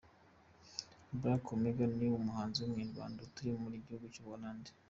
Black Omega ni umuhanzi w’Umunyarwanda utuye mu gihugu cy’ u Buholandi.